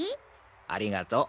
ありがとう。